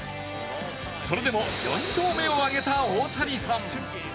それでも４勝目を挙げた大谷さん。